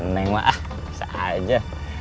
neng mah bisa aja